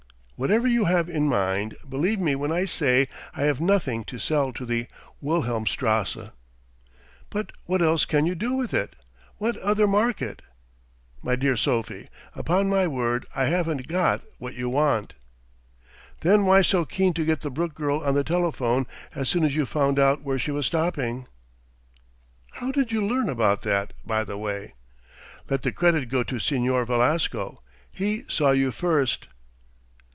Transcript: "Whatever you have in mind, believe me when I say I have nothing to sell to the Wilhelmstrasse." "But what else can you do with it? What other market ?" "My dear Sophie, upon my word I haven't got what you want." "Then why so keen to get the Brooke girl on the telephone as soon as you found out where she was stopping?" "How did you learn about that, by the way?" "Let the credit go to Señor Velasco. He saw you first."